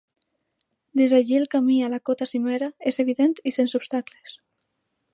Des d'allí el camí a la cota cimera és evident i sense obstacles.